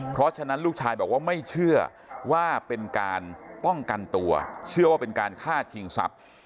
เพราะฉะนั้นลูกชายบอกว่าไม่เชื่อว่าเป็นการป้องกันตัวเชื่อว่าเป็นการฆ่าชิงทรัพย์